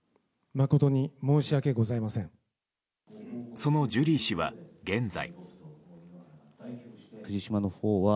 そのジュリー氏は、現在。